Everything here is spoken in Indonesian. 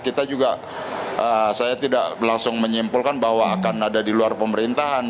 kita juga saya tidak langsung menyimpulkan bahwa akan ada di luar pemerintahan